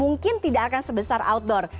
mungkin tidak akan sebesar outdoor